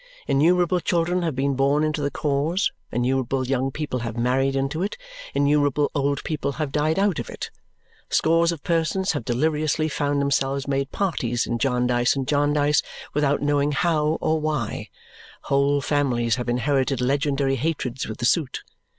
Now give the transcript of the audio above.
Innumerable children have been born into the cause; innumerable young people have married into it; innumerable old people have died out of it. Scores of persons have deliriously found themselves made parties in Jarndyce and Jarndyce without knowing how or why; whole families have inherited legendary hatreds with the suit.